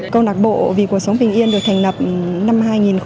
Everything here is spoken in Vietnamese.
câu lạc bộ vì cuộc sống bình yên được thành lập năm hai nghìn một mươi